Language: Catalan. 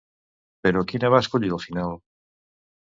Però quina va escollir al final?